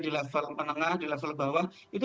di level menengah di level bawah itu